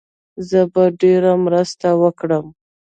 زه به ډېره مرسته وکړم.